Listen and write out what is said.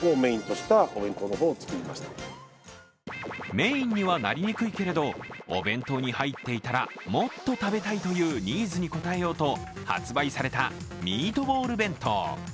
メーンにはなりにくいけれどお弁当に入っていたらもっと食べたいというニーズに応えようと発売されたミートボール弁当。